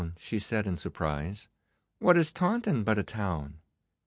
said she in surprise. 'What is Taunton but a town?